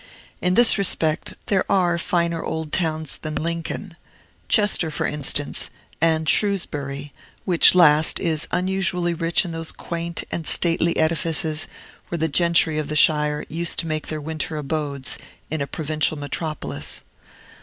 In this respect, there are finer old towns than Lincoln: Chester, for instance, and Shrewsbury, which last is unusually rich in those quaint and stately edifices where the gentry of the shire used to make their winter abodes, in a provincial metropolis.